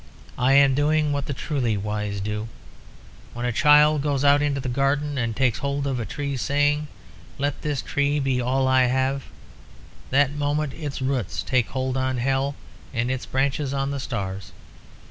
I am doing what the truly wise do. When a child goes out into the garden and takes hold of a tree, saying, 'Let this tree be all I have,' that moment its roots take hold on hell and its branches on the stars.